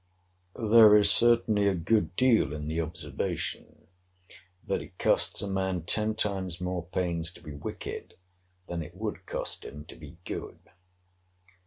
There is certainly a good deal in the observation, that it costs a man ten times more pains to be wicked, than it would cost him to be good.